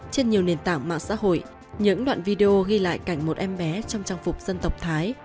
trên nhiều nền tảng mạng xã hội những đoạn video ghi lại cảnh một em bé trong trang phục dân tộc thái